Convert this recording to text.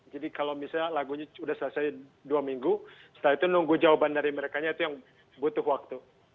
jadi kalau misalnya lagunya sudah selesai dua minggu setelah itu nunggu jawaban dari mereka itu yang butuh waktu